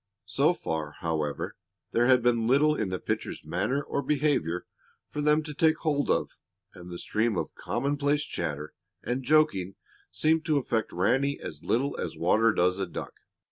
So far, however, there had been little in the pitcher's manner or behavior for them to take hold of, and the stream of commonplace chatter and joking seemed to affect Ranny as little as water does a duck.